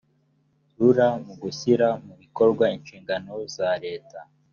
rura mu gushyira mu bikorwa inshingano za leta